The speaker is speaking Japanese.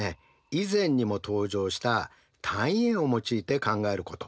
以前にも登場した単位円を用いて考えること。